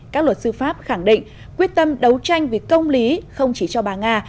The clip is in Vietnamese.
các luật sư pháp khẳng định quyết tâm đấu tranh vì công lý không chỉ cho bà nga